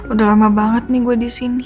udah lama banget nih gue disini